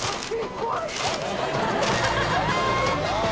怖い。